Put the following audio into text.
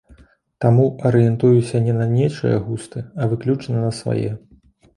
Таму арыентуюся не на нечыя густы, а выключна на свае.